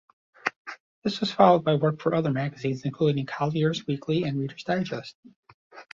This was followed by work for other magazines, including "Collier's Weekly" and "Reader's Digest".